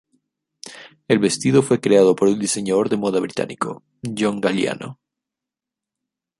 El vestido fue creado por el diseñador de moda británico John Galliano.